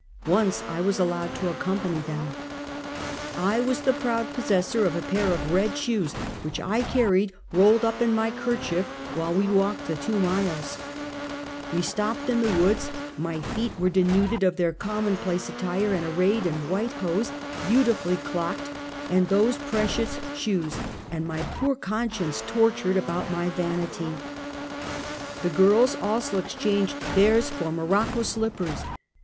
Once I was allowed to accompany them. I was the proud possessor of a pair of red shoes, which I carried rolled up in my 'kerchief while we walked the two miles, "W"e stopped in the woods; my feet were denuded of their commonplace attire and ar rayed in white hose, beautifully clocked, and those precious shoes, and my poor conscience tortured about my vanity. The girls also exchanged theirs for mo rocco slippers.